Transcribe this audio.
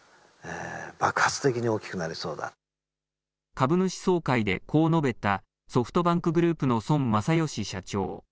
株主総会でこう述べたソフトバンクグループの孫正義社長。